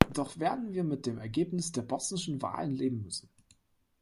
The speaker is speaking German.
Doch werden wir mit dem Ergebnis der bosnischen Wahlen leben müssen.